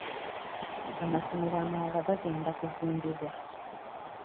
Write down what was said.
Amasomero amalala gagenda kuzimbibwa.